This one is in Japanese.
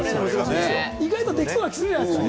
意外とできそうな気がするじゃないですか？